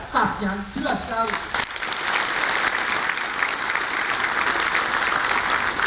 tanya jelas sekali